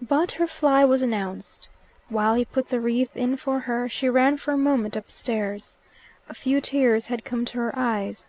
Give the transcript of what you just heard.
But her fly was announced. While he put the wreath in for her, she ran for a moment upstairs. A few tears had come to her eyes.